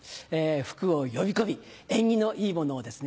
福を呼び込み縁起のいいものをですね